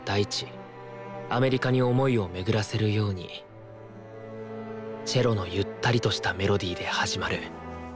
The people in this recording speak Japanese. アメリカに思いをめぐらせるようにチェロのゆったりとしたメロディーで始まる。